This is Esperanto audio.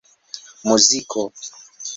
muziko